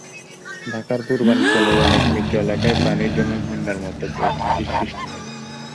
ঢাকার পূর্বাঞ্চলের অনেক নিচু এলাকায় পানি জমে বন্যার মতো পরিস্থিতির সৃষ্টি হয়েছে।